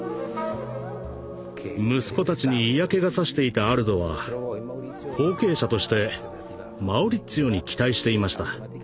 息子たちに嫌気が差していたアルドは後継者としてマウリッツィオに期待していました。